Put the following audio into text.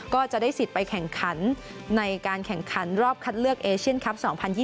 ก็จะได้สิทธิ์ไปแข่งขันในการแข่งขันรอบคัดเลือกเอเชียนคลับ๒๐๒๐